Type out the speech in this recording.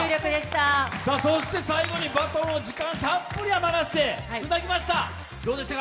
最後にバトンを時間をたっぷり余らせてつなぎました。